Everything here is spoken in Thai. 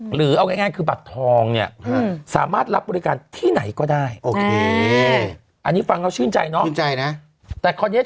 หรือเอาง่ายคือบัตรทองเนี่ยสามารถรับบริการที่ไหนก็ได้แอ้นี่ฟังเราชื่นใจเนอะชื่นใจนะ